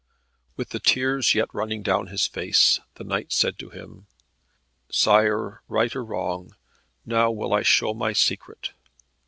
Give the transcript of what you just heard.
With the tears yet running down his face the knight said to him, "Sire, right or wrong, now will I show my secret.